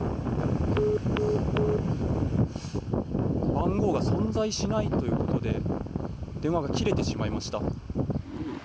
番号が存在しないということで電話が切れてしまいました。